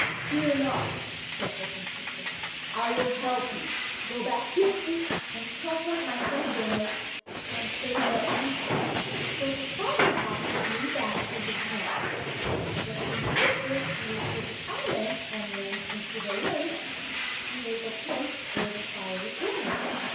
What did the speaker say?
"Fear not," said the Kingfisher. "I will help you. Go back quickly and comfort my friend your mate, and say that I am coming." So the Father Hawk flew back to his nest, and the Kingfisher flew to the island and went into the lake near the place where the fire was burning.